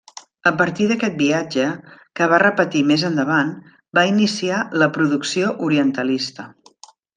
A partir d'aquest viatge, que va repetir més endavant, va iniciar la producció orientalista.